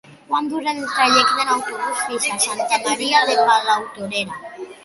Quant dura el trajecte en autobús fins a Santa Maria de Palautordera?